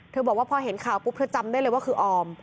บอกว่าพอเห็นข่าวปุ๊บเธอจำได้เลยว่าคือออม